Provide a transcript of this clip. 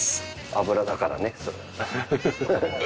脂だからね。